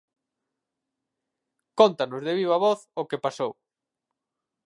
Cóntanos de viva voz o que pasou.